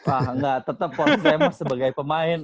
ah gak tetep porsinya emang sebagai pemain